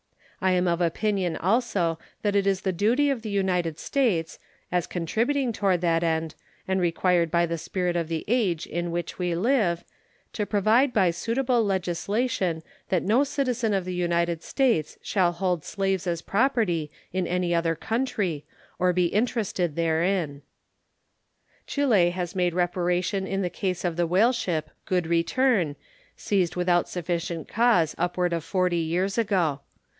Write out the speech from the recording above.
I am of opinion also that it is the duty of the United States, as contributing toward that end, and required by the spirit of the age in which we live, to provide by suitable legislation that no citizen of the United States shall hold slaves as property in any other country or be interested therein. Chile has made reparation in the case of the whale ship Good Return, seized without sufficient cause upward of forty years ago.